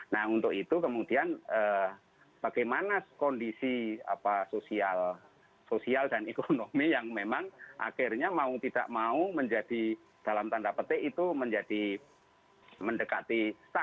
nah untuk itu kemudian bagaimana kondisi sosial dan ekonomi yang memang akhirnya mau tidak mau menjadi dalam tanda petik itu menjadi mendekati